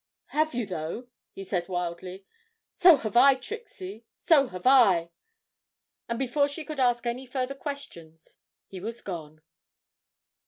'Have you though?' he said wildly; 'so have I, Trixie, so have I!' And before she could ask any further questions he was gone.